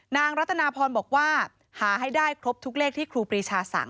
นางรัตนาพรบอกว่าหาให้ได้ครบทุกเลขที่ครูปรีชาสั่ง